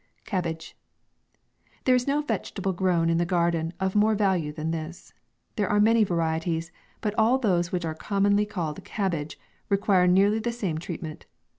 CABBAGE. There is no vegetable grown in the gar den, of more value than this. There are many varieties, but all those which are com monly called cabbage, require nearly the same treatment.